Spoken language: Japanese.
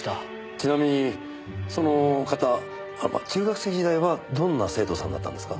ちなみにその方中学生時代はどんな生徒さんだったんですか？